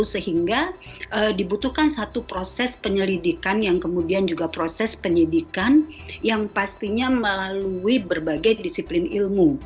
sehingga dibutuhkan satu proses penyelidikan yang kemudian juga proses penyidikan yang pastinya melalui berbagai disiplin ilmu